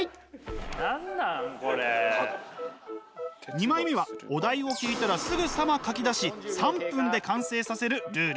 ２枚目はお題を聞いたらすぐさま描きだし３分で完成させるルール。